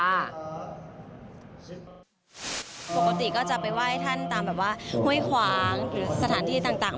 ปกติก็จะไปไหว้ท่านตามแบบว่าห้วยขวางหรือสถานที่ต่าง